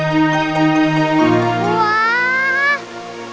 wah ini betul